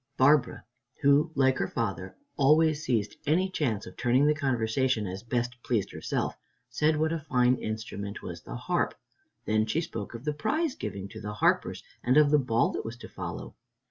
Barbara, who like her father always seized any chance of turning the conversation as best pleased herself, said what a fine instrument was the harp. Then she spoke of the prize giving to the harpers and of the ball that was to follow.